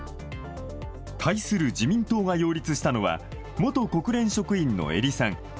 対する自民党が擁立したのは、元国連職員の英利さん。